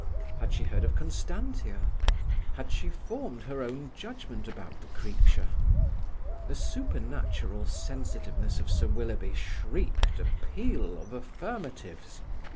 Had she heard of Constantia? Had she formed her own judgement about the creature? The supernatural sensitiveness of Sir Willoughby shrieked a peal of affirmatives.